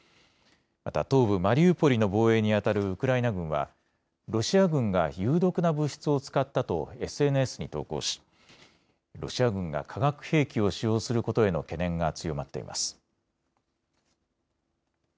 また東部マリウポリの防衛にあたるウクライナ軍はロシア軍が有毒な物質を使ったとＳＮＳに投稿しロシア軍が化学兵器を使用することへの懸念が強まっています。